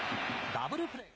ダブルプレー。